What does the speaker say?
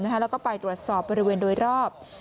แล้วก็ไปตรวจสอบบริเวณโดยรอบ